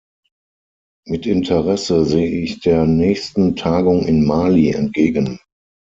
Mit Interesse sehe ich der nächsten Tagung in Mali entgegen.